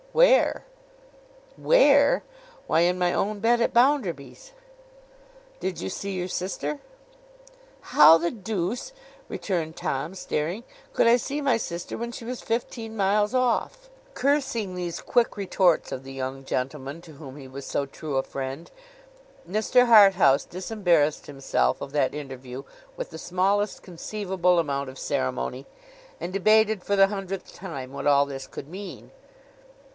'Where?' 'Where? Why, in my own bed at Bounderby's.' 'Did you see your sister?' 'How the deuce,' returned Tom, staring, 'could I see my sister when she was fifteen miles off?' Cursing these quick retorts of the young gentleman to whom he was so true a friend, Mr. Harthouse disembarrassed himself of that interview with the smallest conceivable amount of ceremony, and debated for the hundredth time what all this could mean?